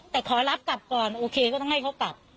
แต่ขอรับกลับก่อนโอเคก็ต้องให้เขากลับ